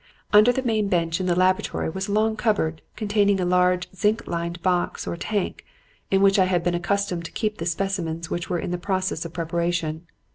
"Under the main bench in the laboratory was a long cupboard containing a large zinc lined box or tank in which I had been accustomed to keep the specimens which were in process of preparation.